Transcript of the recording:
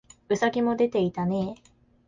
兎もでていたねえ